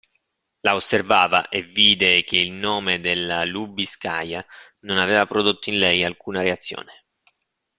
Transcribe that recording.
La osservava e vide che il nome della Lubiskaja non aveva prodotto in lei alcuna reazione.